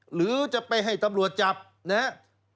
หรือจะไปให้ตำรวจจับนะครับ